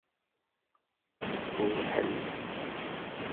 Wḥel.